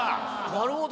なるほど！